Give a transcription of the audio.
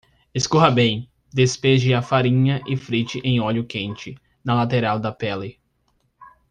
Escorra bem, despeje a farinha e frite em óleo quente, na lateral da pele.